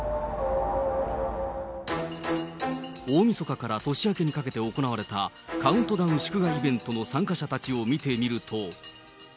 大みそかから年明けにかけて行われた、カウントダウン祝賀イベントの参加者たちを見てみると。